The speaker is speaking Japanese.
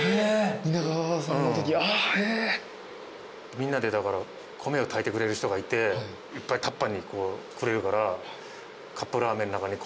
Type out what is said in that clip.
みんなでだから米を炊いてくれる人がいていっぱいタッパーにくれるから。